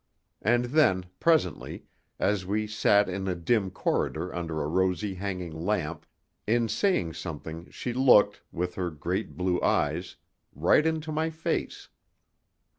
And then, presently, as we sat in a dim corridor under a rosy hanging lamp, in saying something she looked, with her great blue eyes, right into my face.